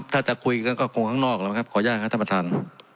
ถ้าจะคุยก็คงข้างนอกแล้วครับขออนุญาตครับท่านประธาน